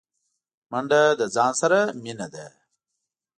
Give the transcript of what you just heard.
منډه د ځان سره مینه ده